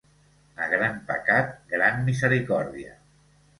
A gran pecat, gran misericòrdia.